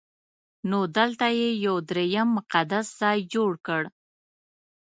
نو دلته یې یو درېیم مقدس ځای جوړ کړ.